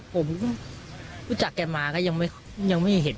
ผมรู้จักแกมาก็ยังไม่เห็น